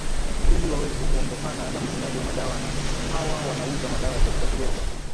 ili waweze kuondokana na utumiaji wa madawa na hawa wanaouza madawa ya kulevya